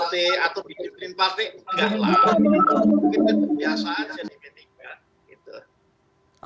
itu kebiasaan saja nih p tiga